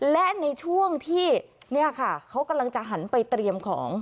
และในช่วงที่เนี่ยค่ะเขากำลังจะหันไปเตรียมของ